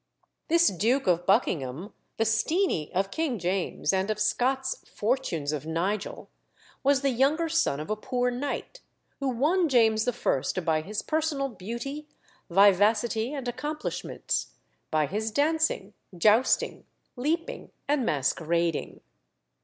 This Duke of Buckingham, the "Steenie" of King James, and of Scott's Fortunes of Nigel, was the younger son of a poor knight, who won James I. by his personal beauty, vivacity, and accomplishments by his dancing, jousting, leaping, and masquerading.